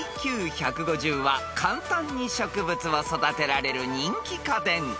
［ＩＱ１５０は簡単に植物を育てられる人気家電］